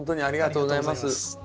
ありがとうございます。